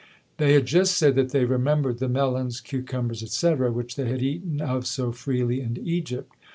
They had just said that they remembered the melons, cucumbers, &c., which they had eaten of so freely in Egypt.